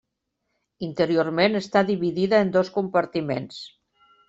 Interiorment està dividida en dos compartiments.